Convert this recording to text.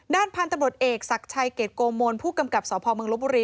ด้านพันธุ์ตำรวจเอกศักดิ์ชัยเกรดโกมลผู้กำกับสพเมืองลบบุรี